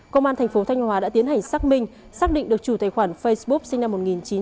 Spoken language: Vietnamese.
công an tp thanh hóa đã tiến hành xác minh xác định được chủ tài khoản facebook sinh năm một nghìn chín trăm tám mươi sáu